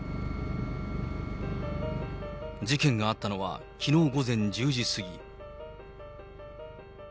事件があったのは、きのう午前１０時過ぎ。